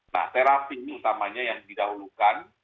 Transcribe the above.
nah terapi ini utamanya yang didahulukan